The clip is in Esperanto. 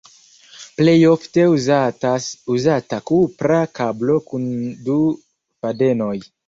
Plej ofte estas uzata kupra kablo kun du fadenoj.